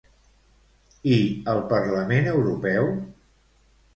I el Parlament Europeu?